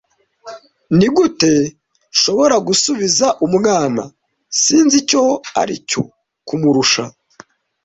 Nigute nshobora gusubiza umwana? Sinzi icyo aricyo kumurusha.